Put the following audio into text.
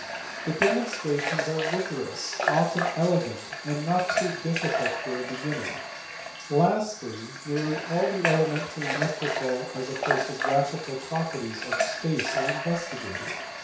The demonstrations are rigorous, often elegant, and not too difficult for a beginner. Lastly, nearly, all the elementary metrical (as opposed to the graphical) properties of space are investigated.